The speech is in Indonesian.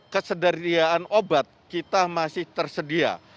kesediaan obat kita masih tersedia